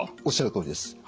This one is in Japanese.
おっしゃるとおりです。